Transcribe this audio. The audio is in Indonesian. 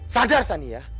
sadar sani ya